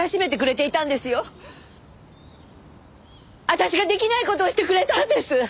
私ができない事をしてくれたんです！